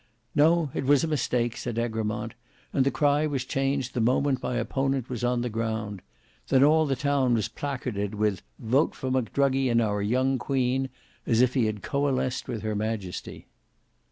"No, it was a mistake," said Egremont, "and the cry was changed the moment my opponent was on the ground. Then all the town was placarded with 'Vote for McDruggy and our young Queen,' as if he had coalesced with her Majesty."